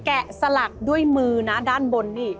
สลักด้วยมือนะด้านบนนี่